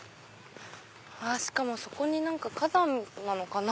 しかもそこに何か花壇なのかな